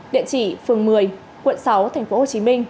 điện chỉ phường một mươi quận sáu tp hcm